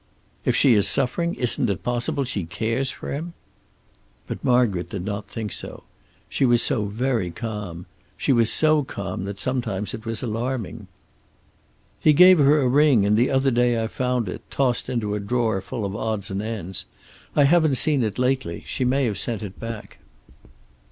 "If she is suffering, isn't it possible she cares for him?" But Margaret did not think so. She was so very calm. She was so calm that sometimes it was alarming. "He gave her a ring, and the other day I found it, tossed into a drawer full of odds and ends. I haven't seen it lately; she may have sent it back."